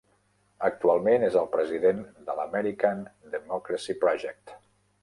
Actualment és el president de l'American Democracy Project.